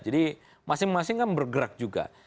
jadi masing masing kan bergerak juga